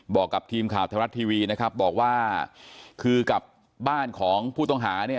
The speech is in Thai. บอกกับทีมข่าวไทยรัฐทีวีนะครับบอกว่าคือกับบ้านของผู้ต้องหาเนี่ย